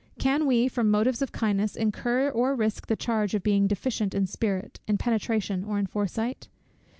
Can we, from motives of kindness, incur or risk the charge of being deficient in spirit, in penetration, or in foresight?